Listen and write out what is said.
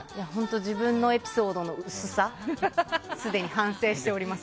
自分のエピソードの薄さすでに反省しております。